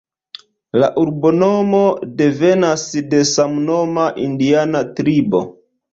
La urbonomo devenas de samnoma indiana tribo.